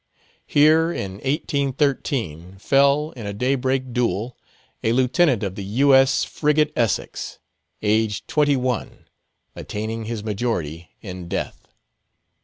Here, in 1813, fell, in a daybreak duel, a lieutenant of the U.S. frigate Essex, aged twenty one: attaining his majority in death.